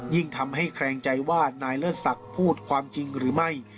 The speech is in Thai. ยิ่งทำให้แคลงใจว่านายเลิศศักดิ์พูดความจริงหรือไม่